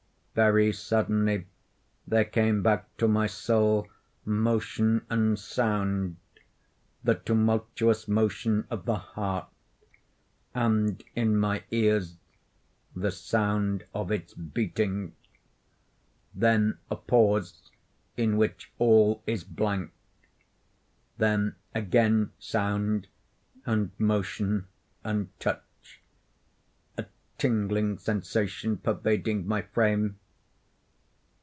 Very suddenly there came back to my soul motion and sound—the tumultuous motion of the heart, and, in my ears, the sound of its beating. Then a pause in which all is blank. Then again sound, and motion, and touch—a tingling sensation pervading my frame.